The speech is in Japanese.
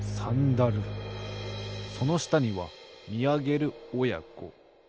そのしたにはみあげるおやこ。